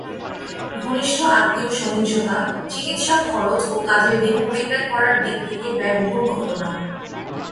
ঘনিষ্ঠ আত্মীয় সহিংসতা, চিকিৎসা খরচ ও কাজের দিন পরিত্যাগ করার দিক থেকে ব্যয়বহুল ঘটনা।